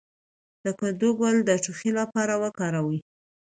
د کدو ګل د ټوخي لپاره وکاروئ